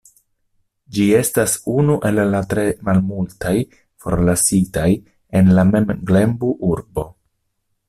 Ĝi estas unu el la tre malmultaj forlasitaj en la Menglembu-urbo.